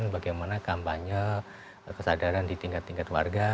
bagaimana kampanye kesadaran di tingkat tingkat warga